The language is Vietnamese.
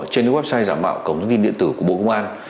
trên website giảm bạo công tin điện tử của bộ công an